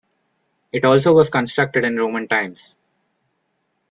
It also was constructed in Roman times.